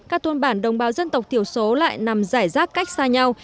các thôn bản đồng báo dân tộc thiểu số lại nằm giải rác cách xa nhau